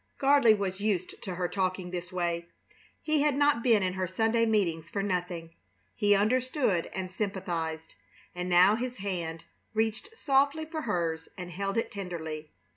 Gardley was used to her talking this way. He had not been in her Sunday meetings for nothing. He understood and sympathized, and now his hand reached softly for hers and held it tenderly.